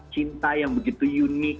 cinta yang begitu unik